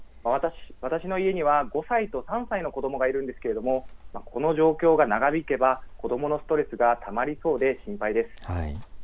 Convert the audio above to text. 私の家には５歳と３歳の子どもがいるんですけれども、この状況が長引けば、子どものストレスがたまりそうで心配です。